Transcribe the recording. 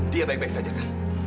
dia baik baik saja